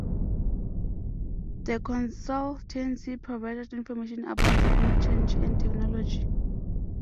The consultancy provided information about climate change and technology.